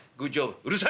「うるさい。